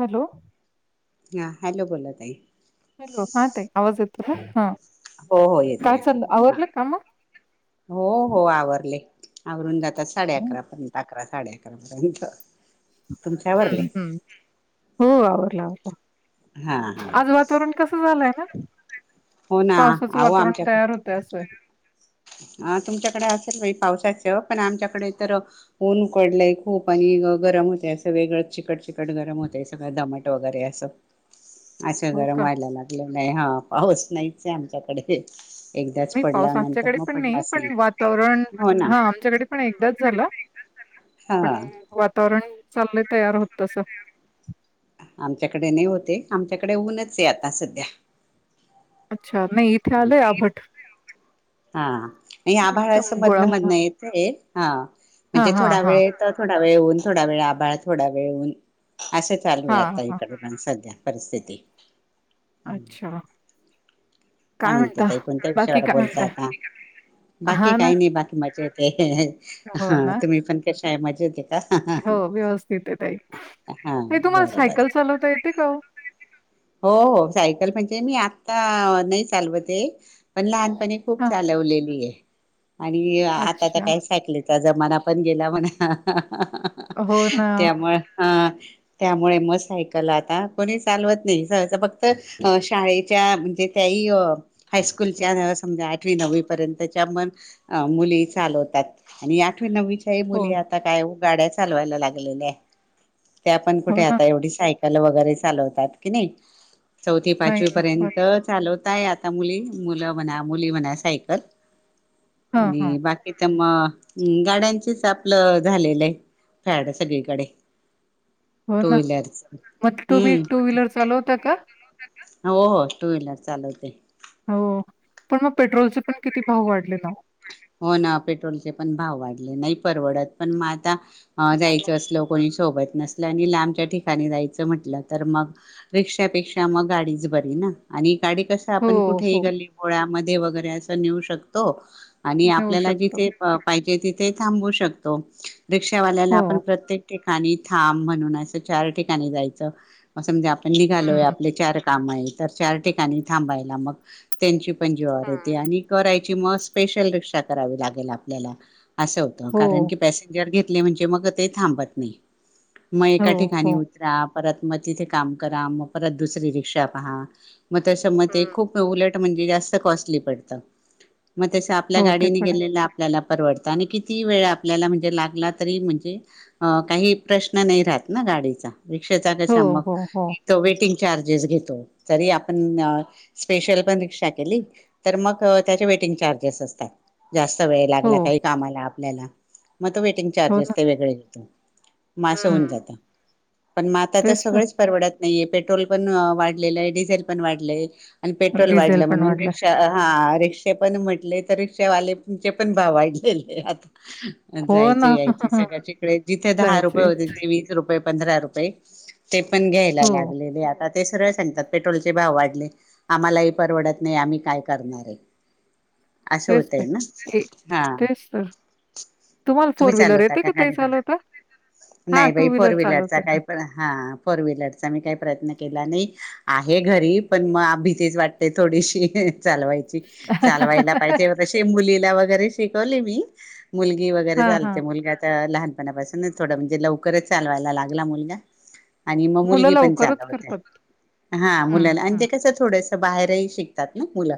Hello हा hello बोला तई हॅलो हा ताई आवाज येतो हा हो हो येतो काय चाललं येतोय हा आवरलं का मग हो हो आवरले आवरून जात. आता साडे अकरा पर्यंत अकरा, साडे अकरापर्यंत हम्म हम्म हो आवरलं आवरलं. हा हा आज वातावरण कसं झालंय ना हो ना पावसाचं वातावरण तयार होतं असं. हा तुमच्याकडे असेल पावसाचं पण आमच्याकडे तर ऊन उकडलंय खूप आणि गरम होत असं वेगळं चिकट चिकट गरम होतय सगळं दमट वगैरे असं अस हो गरम का व्हायला लागले नाही हा पाऊस नाहीच आमच्याकडे एकदाच नाही पाऊस पडल्यानंतर आमच्याकडे मग पडलाच नाही पण वातावरण हो ना हा आमच्याकडे पण एकदाच झाल. पण हा वातावरण चालले तयार होत तस आमच्याकडे नाही होतय, आमच्याकडे ऊनच आहे आता सध्या. इथ आलंय आफट हा आभाळ असं गोळा मधन मधनं होणार येतय हा हा म्हणजे हा थोडा हा वेळ येत थोडा वेळ ऊन थोडा वेळ आभाळ, थोडा वेळऊन, असं चालू हा आहे आता हा इकड पण सध्या परिस्थिती अच्छा. काय म्हणत ताई, कोणत्या बाकी विषयावर काय बोलत म्हणता आता? बाकी हा ना काही नाही बाकी मजेत. हह हो हा ना तुम्ही पण कशा आहे मजेत आहे हो का व्यवस्थित आहेे हा ताई, तुम्हाला बरं सायकल बरं चालवता येते का ओ [inaudible] हो हो सायकल म्हणजे मी आत्ता नाही चालवत ये. पण लहानपणी खूप हा चालवलेली आहे. आणि आता तर अच्छा काय सायकलेचा जमाना पण गेला म्हणा हो हहह ना त्यामुळे ह त्यामुळे मग सायकल आता कोणी चालवत नाही सहसा फक्त शाळेच्या म्हणजे त्याही हायस्कूलच्या समजा आठवी दहावी रपर्यंत च्या चालवतात आणि आठवी नववी हो मुली आता काय गाड्या चालवायला लागलेल्या आहेत. आपण हो कुठे ना आता एवढी साय वगैरे चालवतात की नाही चौथी नाही पाचवी ना हो पर्यंत ना. चालव होताय आता मुली मुलं म्हणा, मुली म्हणा सायकल. हां, हां. आणि बाकी तर मग हम् गाड्यांचीच आपलं झालेलं आहे फॅड सगळीकडे हो ना. टुव्हिलर च मग तुम्ही हम टू व्हीलर चालवता का? हो हो टू व्हीलर चालवते. हो पण मग पेट्रोलचे पण किती भाव वाढले ना - हो ना पेट्रोलचे पण भाव वाढले नाही परवडत पण मग आता ह हो ना. जायचं असल कोणी सोबत नसल्या आणि लांबच्या ठिकाणी जायचं म्हटलं तर मग, रिक्षापेक्षा मग गाडीच बरी ना आणि गाडी कस हो, आपण कुठेही हो. गली गोळ्यामध्ये वगैरे असं नेऊ शकतो. आणि नेऊ आपल्याला शकतो. जिथे पाहिजे तिथे थांबू शकतो. रिक्षावाल्याला हो. आपण प्रत्येक ठिकाणी थांब म्हणून असं चार ठिकाणी जायचं असं म्हणजे आपण निघालोय हं, आपले चार काम आहे तर चार ठिकाणी थांबायला मग त्यांची पण जीवावर येते हं. आणि करायची मस्त स्पेशल रिक्षा करावी लागेल आपल्याला असं होतं हो, कारण की पसेंजर घ म्हणजे मग ते थांबत नाही मग हो, ए ठिकाणी हो. उतरा परत मग तिथे काम करा, मग परत दुसरी रिक्षा पहा, मग तस म ते हं. खूप उलट म्हणजे जास्त कॉस्टली पडत. मग तस आपल्या हो, ते गाडीने पण आहे. गेलेला आपल्याला परवडत आणि कितीही वेळ आपल्याला म्हणजे लागला तरी म्हणजे काही प्रश्न नाही राहत ना गाडीचा रिक्षेचा हो, कसा हो, हो. मग वेटिंग चार्जेस घेतो. तरी आपण स्पेशल पण रिक्षा केली तर मग त्या वेटींग चार्जेस असतात. जास्त वेळ हो, लागला काही कामाला आपल्याला मग वेटिंग हो ना. चार्जेस ते वेगळे घेतो. मास होऊन हं. जात. पण म आत तर सगळेच परवडत नाहीये. पेट्रोल पण वाढलेलं आहे, डिझेल पण वाढलंय. आणि पेट्रोल डिझेल वाढलं पण म्हणून वाढलंय. रिक्षा हा रिक्षे पण म्हटले तर रिक्षावालेंचे पण भाव वाढलेले आहे आता हो जायचे, ना. यायचे, सगळ्याचे जिकडे जिथे दहा जायचं रुपये होते यायचं. ते वीस रुपये पंधरा रुपये ते पण घ्यायला हो, लागलेले. आता ते सरळ सांगतात. पेट्रोलचे भाव वाढले. आम्हालाही परवडत नाही. आम्ही काय करणार आहे? असं तेच होतय ते. ना? ए हा. तेच तर. तुम्हाला तुम्ही फोर व्हीलर चालवता येते का ताई गाडी? चालवता? [unintelligible] हां, नाही टू बाई! फोर व्हीलर व्हीलरचा चालवते काही मी. प्र हा फोर व्हीलरचा मी काही प्रयत्न केला नाही. आहे घरी पण म भीतीच वाटते थोडीशी चालवायची. चालवायला पाहिजेलं, तशी मुलीला वगैरे शिकवलेय मी मुलगी वगैरे हां, हां. चालते. मुलगा आत्ता लहान पणापासून थोडा म्हणजे लवकरचं चालवायला लागला मुलगा आणि मग मुलं मुलगी पण लवकरच चालवते. करतात. हा. हं, मुलाला आणि हं. ते कसं थोडस बाहेरहि शिकतात ना मुलं.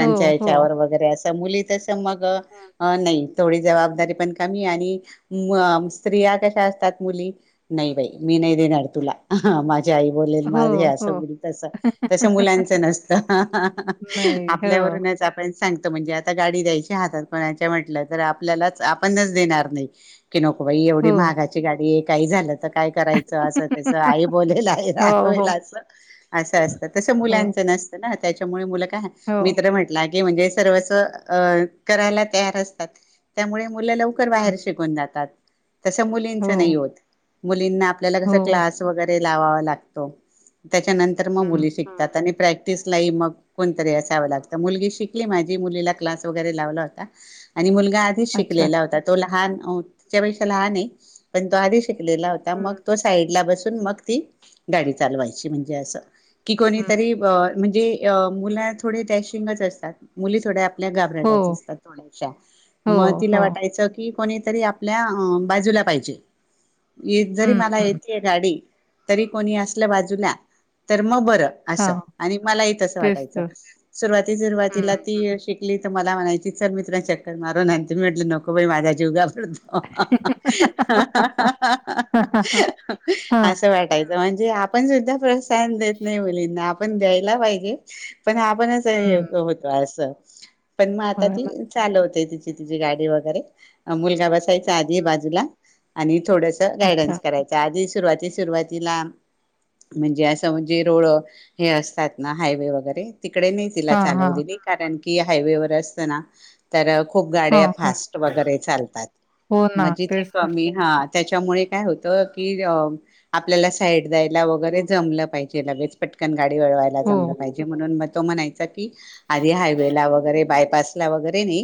हो, हो. ह्याच्यावर वगैरे अस. मुली तसं तर मग हं. अ नाही थोडी जबाबदारी पण कमी आणि म स्त्रिया कशा असतात, मुली नाही बाई मी नाही देणार तुला. माझ्या झी आई बोलेल. हो, माझे हे हो. असं बोलेल, तस तस मुलांच नसत. नाही. हो, आपल्यावरूनच आपण सांगत. म्हणजे आता गाडी द्यायची हातात कोणाच्या म्हंटल तर आपल्यालाच आपणच देणार नाही. कि नको बाई एवढी हो. महागाची गाडी आहे. काही झालं तर? काय करायचं? असं, तसं आई बोलेल, आई हो, रागवेल हो, असं. असं असतं. तस हो, मुलांचं नसतं ना त्याच्यामुळे मुलं काय हो. मित्र म्हंटला नाही म्हणजे सर्वस्व अ करायला तयार असतात. त्यामुळे मुले लवकर बाहेर हं. शिकून जातात. तसं मुलींच हो, नाही होत, मुलींना आपल्याला कसं हो. क्लास वगैरे लावावा लागतो. त्याच्यानंतर मग हं, मुली हं. शिकतात आणि प्रॅक्टिसलाही मग कोणीतरी अस लावला होता. मुलगी शिकली माझी मुलीला क्लास वगैरे लावला होता. आणि मुल तो आधीच अच्छा. शिकलेला होता. तो लहान, तिच्यापेक्षा लहान आहे. पण तो आधीच शिक शिकलेला होता. मग हं, तो साईडला बसून मग ती गाडी चालवायची, म्हणजे अस कि कोणीतरी हं, ब हं. म्हणजे अ मुलं थोडी डॅशिंगच असतात. मुली थोड्या आपल्या हो, घाबरटच असतात. थोड्याशा हो, मग तिला हो. वाटायचं की कोणीतरी आपल्या अं बाजूला पाहिजे. येत जरी हं, मला हं. येतेय गाडी तरी कोणी असलं बाजूला, तर मग बरं असं हां, आणि मलाही तसं तेच वाटायचं. तर. सुरुवाती सुरुवातीला हं, ती हं. शिकली तर मला म्हणायची चल मी तुला चक्कर मारून आणते, मी म्हंटल नको बाई माझा जीव घाब ह ह ह हं हं हं हं हं हां. असं वाटायचं म्हण जे आपण सुद्धा बस तान देत नाही मुलींना. आपण द्यायला पाहिजे पण आपणचं हे हं. होतो असं पण मग आता होय ना. ती चालवते तिची तिची गाडी वगैरे. मुलगा बसायचा आधी हं. बाजूला आणि थोडसं अच्छा. गायडन्स करायचा. आधी सुरुवाती सुरुवातीला म्हणजे असं म्हणजे रोड हे असतात ना. हायवे वगैरे तिकडे नाही तिला हां, चालवू हां. दिली कारण की, हायवे वर असतं ना तर खू खूप गाड्या हां, हां. फास्ट वगैरे चालतात हो मग ना, जिथे तेच तर. कमी हां त्याच्यामुळे काय होत की अ आपल्याला साईड द्यायला वगैरे जमलं पाहिजे लगेच पटकन. गाडी वळवायला हो. जमलं पाहिजे म्हणून म तो म्हणायचा की आधी हायवेला वगैरे बायपासला वगैरे ने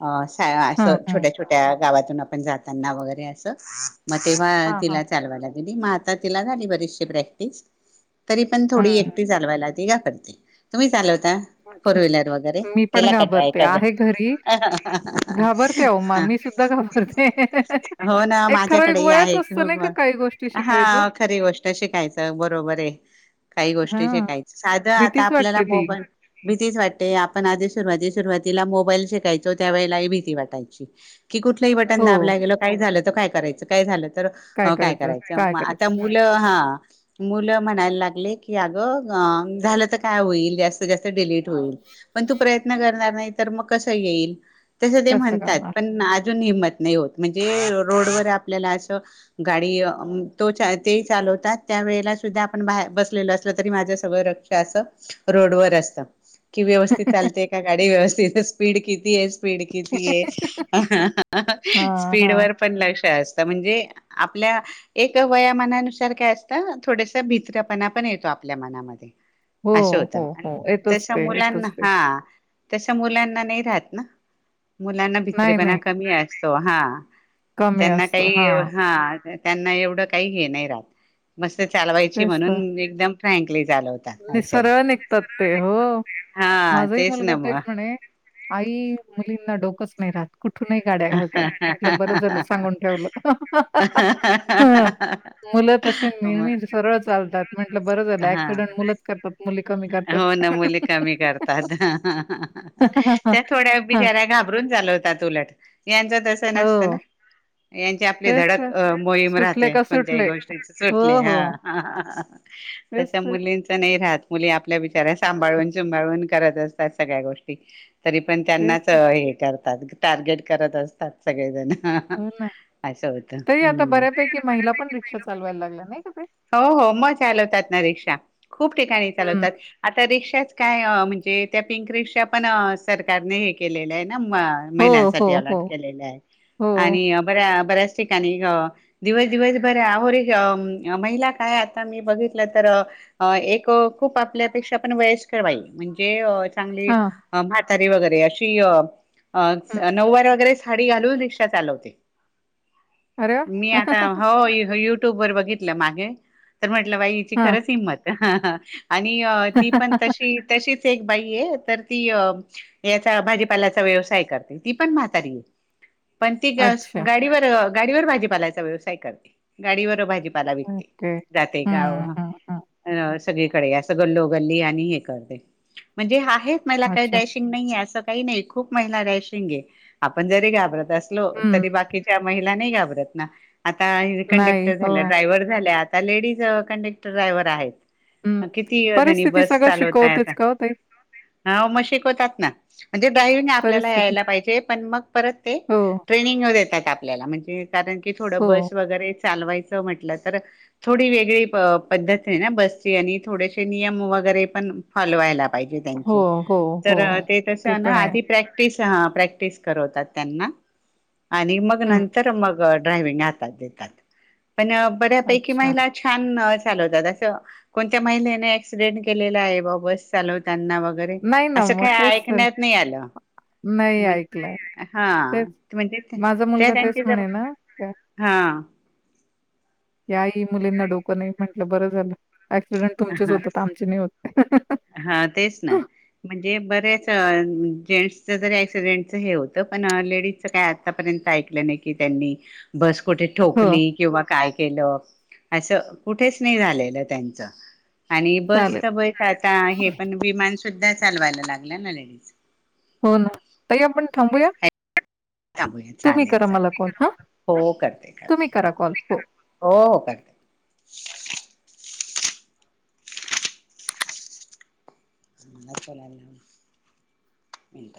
अ हा हां, असं हां. छोट्या छोट्या गावातून आपण जाताना वगैरे असं म तेव्हा हां, हां. तिला चालवायला दिली म आता तिला झाली बरीचशी प्रॅक्टिस. तरी पण थोडी हं. एकटी चालवायला ती घाबरते. तुम्ही चालव ता फोर अच्छा. व्हिलर वगैरे मी पण केला का ट्राय घाबरते. कधीं? आहे घरी, घाबरते अहो मा मी सुद्धा घाबरते. हो ना एक ठराविक माझ्याकडे ही वयच आहे असतं नाही का ह काही गोष्टी शिकायचं? हां खरी गोष्ट शिकायचं बरोबर आहे काही गोष्टी हां, शिकायचं साध आता भीतीच आपल्याला वाटते ती. मोबाईल भीतीच वाटते आपण आधी सुरुवाती सुरुवातीला मोबाईल शिकायचो त्या वेळेलाही भीती वाटायची. की कुठलंही बटन हो, दाबला गेल काय झालं तर काय करायचं काय झालं तर काय अ करायचं अ आता मुलं हां मुलं म्हणायला लागले की अ अगं झालं तर काय होईल जास्त जास्त डिलीट होईल पण तू प्रयत्न करणार नाही, तर मगं कसं येईल? तसं ते कसं म्हणतात करणार? पण आ हिम्मत नाही होतं म्हणजे रोडवर आपल्याला अंस गाडी अ तो चा तेई चा ठेवतात त्या वेळेला सुद्धा आपण बा बाहेर बसलेलं असलं तरी माझं सगळं रक्ष असं रोड वर असतं कि व्यवस्थित चालते का गाडी व्यवस्थित स्पीड किती आहे? स्पीड किती आहे हां, स्पीड हां. वर, पण लक्ष असत. म्हणजे आपल्या एक वयामानानुसार काय असत थोडसा भीत्रापणा पण येतो आप ल्या मनामध्ये हो, अस होत हो, हो. येतोच तस ते, मुलांना येतोच ते. हां तस मुलांना नाही राहत ना, मुलांना नाही, भित्रेपणा नाही. कमी असतो हां कमी त्यांना असतो. काही हां, हा. त्यांना एवढं काही हे नाही राहत मस्त चालवायची तेच तर. म्हणून एकदम फ्रँकली चालव नि सरळ निघतात ते, हो हा माझाही मुलगा ना तेच मग म्हणे आई मुलींना डोकच नाही राहत. कुठूनही गाड्या घालतात म्हटलं बर झालं सांगून ठेवलं. मुलं तशे म नेहमी सरळ चालतात म्हंटलं बरं झालं हा ऍक्सिडेंट मुलंच करतात मुली कमी करतात. हो ना मुली कमी करतात, त्या थोड्या हां, बिचाऱ्या घाबरून चालव तात उलट यांच तसं नसतं ना. हो. यांची आपली तेच धडक तर. अ मोहीम सुटले राहते का कोणत्याही सुटले. गोष्टीचं हो, सुटले हो. हां तेच तसं तर. मुलींच नाही राहत. मुली आपल्या बिच्याऱ्या हं, सांभाळून सुंभाळून करत असतात सगळ्या गोष्टी. तरी पण तेच त्यांनाच तर. हे करतात टार्गेट करत असतात सगळेजण. हो ना असं होतं तरी आता हम्म बऱ्यापैकी महिला, पण रिक्षा चालवायला लागल्या नाही का ताई. हो हो मग चालवतात ना रिक्षा खूप ठिकाणी हं. चालवतात. आता रिक्षाच काय म्हणजे त्या पिंक रिक्षा पण सरकारने हे केलेल्या न हो, हो, महिलांसाठी अलॉट हो. केलेले आहे हो. आणि बऱ्या बऱ्याच ठिकणी गा दिवस दिवस बरर आहो रि महिला काय आता मी बघितलं तर, अ एक खूप आपल्यापेक्षा पण वयस्कर बाई म्हंजे चांगली हां. म्हातारी वगैरे अशी हं. सा नवारी वगैरे साडी घालून रिक्षा चालवते अरे मी वाह! आता हो यु युट्यूब वर बघित ल मागे तर म्हटलं बाई हिची खरंच हिंमत आणि ती पण हां. तशी तशीच एक बाई य तर ती याचा भाजीपाल्याचा व्यवसाय करते, ती पण म्हातारी आहे. पण ती गा स्कू अच्छा. गाडीवर गाडीवर भाजीपालायचा व्यवसाय करते गाडीवर भाजी पाला विकते ओके. जाते गाव हं, हं, हं. सगळीकडे असं गल्लो गल्ली आणि हे करते म्हंजे आहे महिला काही अच्छा. डॅशिंग नाही असं का नाही खूप महिला रॅशिंग आहे, आपण जरी घाबरत असलो तरी हं. बाकीच्या मही ला नाही घाबरत ना, आता नाही. कंडक्टर हो. झालं झाल्या आता लेडीज कंडक्टर, ड्रायव्हर आहेत. हं. किती जणी परिस्थिती बस सगळं चालवताय शिकवतेच आता? का हो ताई? हा म शिकवतात ना म्हणजे बाहीरन आपल्याला परिस्थिती. यायला पाहिजे पण मग परत ते हो, ट्रेनिंगऊ देतात आपल्याला म्हणजे कारण की थोडं हो, बस वगैरे चालवायचं म्हटल तर थोडी वेगळी पद्त बस आणि थोडेसे नियम वगैरे पण फॉलो व्हायला पाहिजे हो, त्याचे हो, हो. तर ते तास न पण आहे. आदी प्रॅक्टीस हा. प्रॅक्टिस करवतात त्यांना, आणि मग हं. नंतर मग अ ड्रायव्हिंग हातात घेतात. पण बऱ्यापैकी अच्छा. महिला छान अ चालवतात असं. कोणत्या महिलेने ॲक्सिडन्ट केलेला आहे बुवा बस चालवताना ना वगैरे, नाही ना असं मग काही तेच तर. ऐकण्यात नाही आलं. नाही ऐकलं. म्हणजे हा, तेच. म्हणजे माझा त्या मुलगा तेच त्यांची जबाब म्हणे हां. याही मुलींना डोकं नाही, म्हटलं बरं झालं. ऍक्सिडेंट तुमचेच हा होतात. आमचे नाही होत. हा, तेच ना. म्हणजे बरेच अं जेंट्सच तरी ॲक्सिडेंटचं हे होतं. पण लेडीजच काय आतापर्यंत ऐकलं नाही, की त्यांनी बस कुठे हो, ठोकली, किंवा काय केलं. असं कुठेच नाही झालेलं त्याचं. आणि बस चालेल. त बय हा हे पण विमान सुद्धा चालवायला लागल्या ना लेडीज. हो ना. ताई आपण थांबूया? थांबूया. तुम्ही चालेल, करा मला कॉल चालेल. हां. हो, तुम्ही करते-करते हो. करा कॉल. हो हो, करते. [inaudible] [unintelligible]